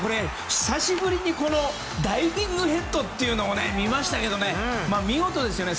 久しぶりにダイビングヘッドを見ましたけど見事ですよね。